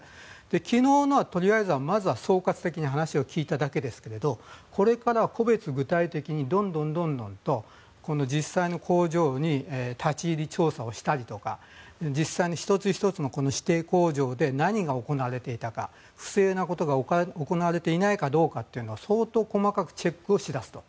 昨日のはとりあえずはまずは総括的に話を聞いただけですがこれから、個別具体的にどんどんどんどんと実際の工場に立ち入り検査をしたりとか実際に１つ１つの指定工場で何が行われていたか不正なことが行われていないかどうかというのは相当細かくチェックをし出すと。